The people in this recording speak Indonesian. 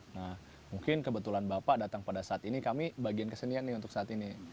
nah mungkin kebetulan bapak datang pada saat ini kami bagian kesenian nih untuk saat ini